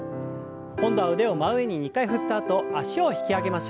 今度は腕を真上に２回振ったあと脚を引き上げましょう。